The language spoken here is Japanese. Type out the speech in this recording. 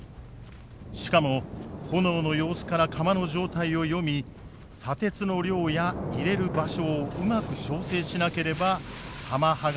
しかも炎の様子から釜の状態を読み砂鉄の量や入れる場所をうまく調整しなければ玉鋼は出来ない。